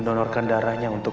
ada orang juta rumahnya hungry